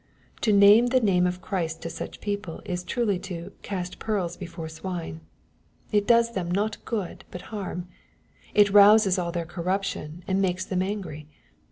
To name the name of Christ to such people, is truly to "cast pearls before swine." It does them not good but harm. It rouses all their corruption, and makes them angry.